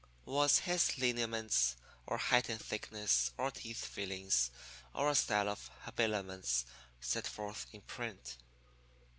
Was his lineaments or height and thickness or teeth fillings or style of habiliments set forth in print?'